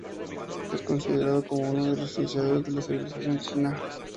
Es considerado como uno de los iniciadores de la civilización china.